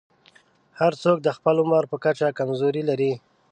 هر څوک د خپل عمر په کچه کمزورۍ لري.